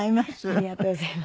ありがとうございます。